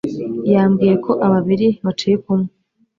yambwiye ko Ababiri bacika umwe .